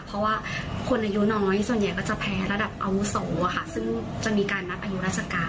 เพราะคนอาย้อน้อยจนจะแพ้ระดับอ้าวโสและมีการมับอาย้อราชการ